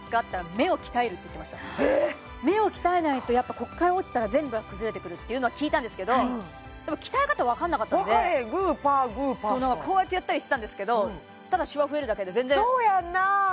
目を鍛えないとここから落ちたら全部が崩れてくるっていうのは聞いたんですがでも鍛え方分かんなかったんで分からへんグーパーグーパーしかこうやったりしてたんですけどただシワ増えるだけで全然そうやんな！